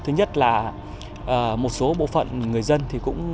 thứ nhất là một số bộ phận người dân